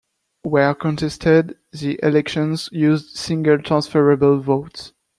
Where contested, the elections used single transferable vote.